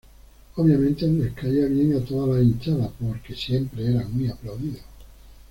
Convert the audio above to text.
Obviamente, les caía bien a todas las hinchadas porque siempre era muy aplaudido.